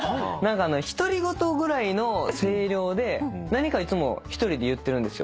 独り言ぐらいの声量で何かいつも１人で言ってるんですよ。